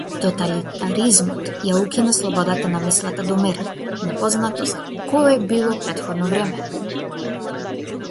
Тоталитаризмот ја укина слободата на мислата до мера непозната за кое било претходно време.